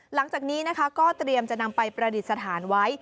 หลังจากนี้นะคะก็เตรียมจะนำไปประดิษฐานไว้